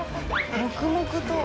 黙々と。